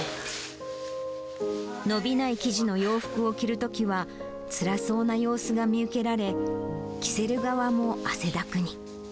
伸びない生地の洋服を着るときは、つらそうな様子が見受けられ、着せる側も汗だくに。